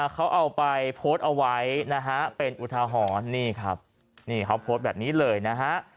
เขาโพสต์เอาไว้เป็นอุทาหรณ์นี่ครับในข้อวัดนี้เลยนะครับ